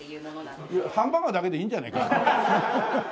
ハンバーガーだけでいいんじゃねえか？